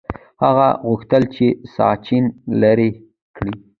هغه غوښتل چې ساسچن لرې کړي.